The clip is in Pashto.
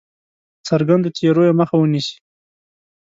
څرګندو تېریو مخه ونیسي.